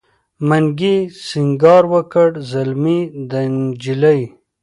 منګي سینګار وکړ زلمی دی نجلۍ